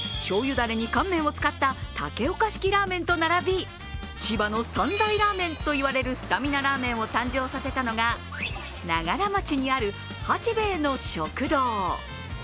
だれに乾麺を使った竹岡式ラーメンと並び千葉の三大ラーメンと言われるスタミナラーメンを誕生させたのが長柄町八平の食堂。